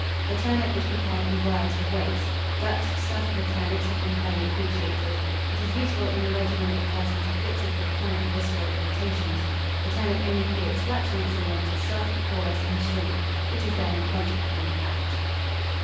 The turnip is prepared in a variety of ways. Ducks stuffed with turnips have been highly appreciated. It is useful in the regimen of persons afflicted with chronic visceral irritations. The turnip only creates flatulency when it is soft, porous, and stringy. It is then, consequently, bad.